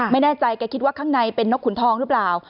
ไม่แน่ใจแกคิดว่าข้างในเป็นนกขุนทองหรือเปล่า